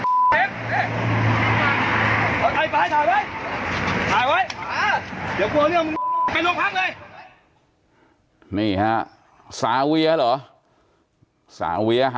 อ๋อโอเคไม่ใส่นะ